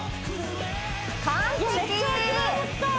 完璧！